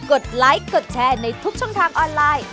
ดไลค์กดแชร์ในทุกช่องทางออนไลน์